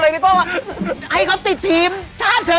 แล้วก็ว่าให้เค้าติดทีมช้าเถอะ